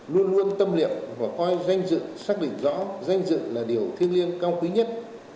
luôn luôn tâm liệu và coi danh dự xác định rõ danh dự là điều thiêng liêng cao quý nhất